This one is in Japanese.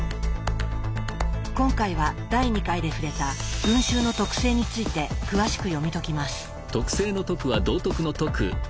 今回は第２回で触れた「群衆の徳性」について詳しく読み解きます。